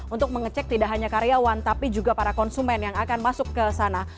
untuk mengecek tidak hanya karyawan tapi juga para konsumen yang akan masuk ke sana